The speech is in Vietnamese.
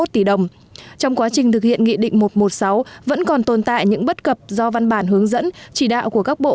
trong quá trình thực hiện nghị định một trăm một mươi sáu vẫn còn tồn tại những bất cập do văn bản hướng dẫn chỉ đạo của các bộ